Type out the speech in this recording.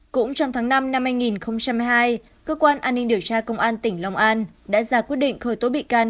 cũng trong tháng năm năm hai nghìn hai mươi hai cơ quan an ninh điều tra công an tỉnh long an đã ra quyết định khởi tố bị can